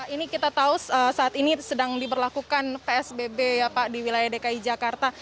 ini kita tahu saat ini sedang diberlakukan psbb ya pak di wilayah dki jakarta